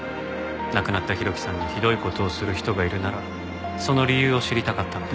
亡くなった浩喜さんにひどい事をする人がいるならその理由を知りたかったので。